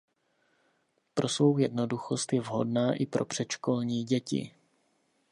Pro svou jednoduchost je vhodná i pro předškolní děti.